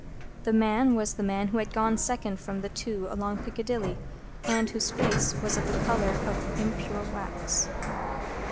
That man was the man who had gone second of the two along Piccadilly, and whose face was of the colour of impure wax.